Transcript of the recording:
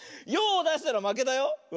ヨーをだしたらまけだよ。